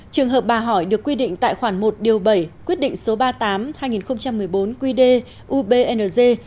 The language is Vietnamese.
trường hợp bà hỏi được quy định tại khoản một điều bảy quyết định số ba mươi tám hai nghìn một mươi bốn qd ubng